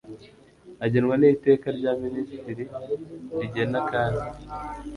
agenwa n Iteka rya Minisitiri Rigena kandi